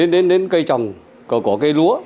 đến cây trồng có cây lúa